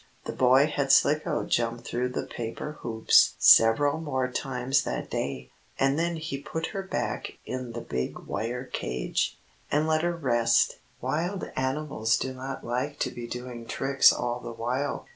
The boy had Slicko jump through the paper hoops several more times that day, and then he put her back in the big wire cage, and let her rest. Wild animals do not like to be doing tricks all the while.